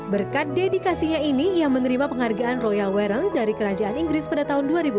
berkat dedikasinya ini ia menerima penghargaan royal wearen dari kerajaan inggris pada tahun dua ribu empat